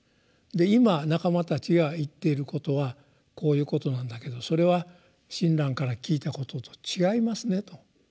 で「今仲間たちが言っていることはこういうことなんだけどそれは親鸞から聞いたことと違いますね」と。